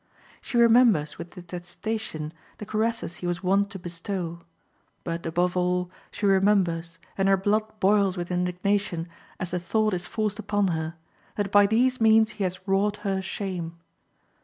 She remembers, with detestation, the caresses he was wont to bestow. But, above all, she remembers, and her blood boils with indignation as the thought is forced upon her, that by these means he has wrought her shame.